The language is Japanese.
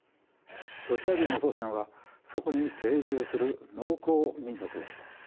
ロシア人の祖先はそこに定住する農耕民族でした。